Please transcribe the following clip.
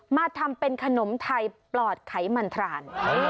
มาทำเป็นขนมไทยปลอดไขมันทราน